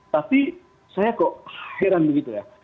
tapi saya kok heran begitu ya